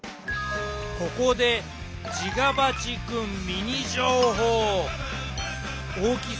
ここでジガバチくんミニ情報！